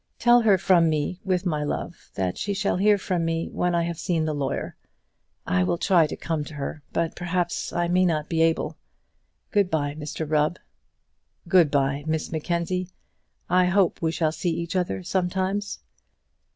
Tell her from me, with my love, that she shall hear from me when I have seen the lawyer. I will try to come to her, but perhaps I may not be able. Good bye, Mr Rubb." "Good bye, Miss Mackenzie. I hope we shall see each other sometimes."